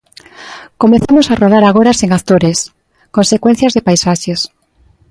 Comezamos a rodar agora sen actores, con secuencias de paisaxes.